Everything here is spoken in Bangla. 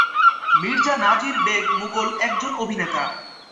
মির্জা নাজির বেগ মুগল একজন অভিনেতা।